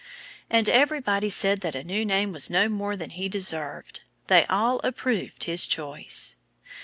And everybody said that a new name was no more than he deserved. They all approved his choice.